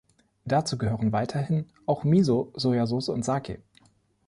Dazu gehören weiterhin auch Miso, Sojasauce und Sake.